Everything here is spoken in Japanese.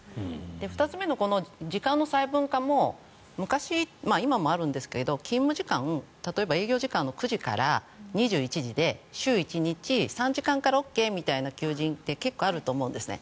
２つ目の時間の細分化も昔今もあるんですが勤務時間、例えば営業時間の９時から２１時で週１日、３時間からＯＫみたいな求人って結構あると思うんですね。